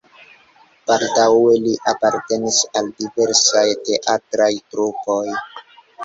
Baldaŭe li apartenis al diversaj teatraj trupoj.